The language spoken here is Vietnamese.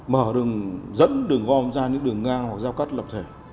mở đường dẫn đường gom ra những đường ngang hoặc giao cắt lập thể